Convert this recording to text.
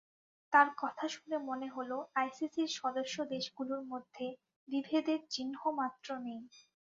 তাঁর কথা শুনে মনে হলো, আইসিসির সদস্যদেশগুলোর মধ্যে বিভেদের চিহ্ন মাত্র নেই।